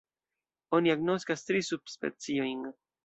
Oni agnoskas tri subspeciojn.